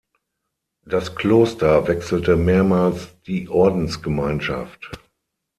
Das Kloster wechselte mehrmals die Ordensgemeinschaft.